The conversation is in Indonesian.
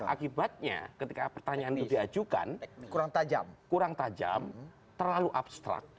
akibatnya ketika pertanyaan itu diajukan kurang tajam terlalu abstrak